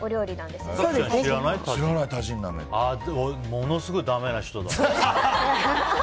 ものすごいだめな人だ。